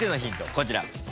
こちら。